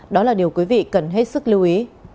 đó là điều quý vị cần hết sức lưu ý